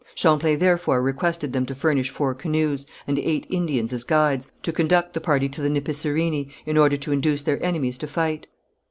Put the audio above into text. Champlain therefore requested them to furnish four canoes, and eight Indians as guides, to conduct the party to the Nipissirini, in order to induce their enemies to fight.